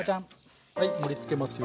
はい盛りつけますよ。